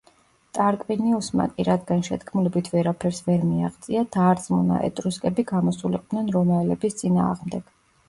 ტარკვინიუსმა კი, რადგან შეთქმულებით ვერაფერს ვერ მიაღწია, დაარწმუნა ეტრუსკები გამოსულიყვნენ რომაელების წინააღმდეგ.